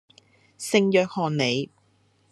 聖約翰里